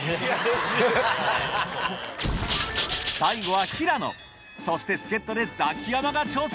最後は平野そして助っ人でザキヤマが挑戦